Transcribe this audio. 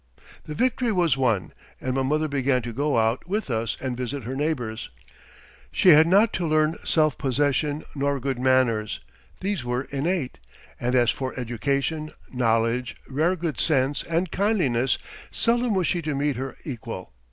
The victory was won, and my mother began to go out with us and visit her neighbors. She had not to learn self possession nor good manners, these were innate; and as for education, knowledge, rare good sense, and kindliness, seldom was she to meet her equal.